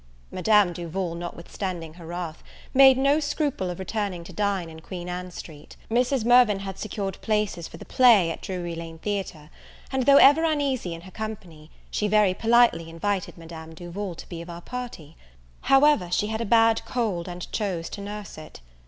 Madame Duval, notwithstanding her wrath, made no scruple of returning to dine in Queen Ann Street. Mrs. Mirvan had secured places for the play at Drury Lane Theatre, and, though ever uneasy in her company, she very politely invited Madame Duval to be of our party; however, she had a bad cold and chose to nurse it.